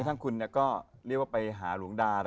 ท่านคุณเรียกว่าไปหาลงดา